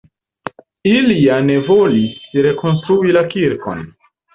Ili ja ne volis rekonstruis la kirkon.